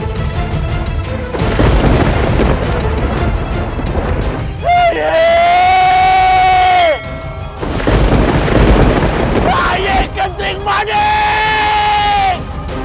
rayi kenting manik